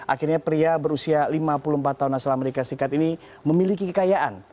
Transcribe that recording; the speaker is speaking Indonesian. akhirnya pria berusia lima puluh empat tahun asal amerika serikat ini memiliki kekayaan